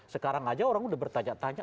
sekarang saja orang sudah bertanya tanya